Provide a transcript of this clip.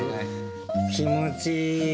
気持ちいい。